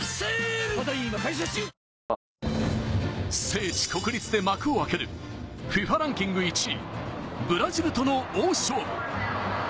聖地・国立で幕を開ける、ＦＩＦＡランキング１位、ブラジルとの大勝負。